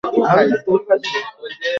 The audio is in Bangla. তাঁরা সবাই জ্বরে আক্রান্ত হন।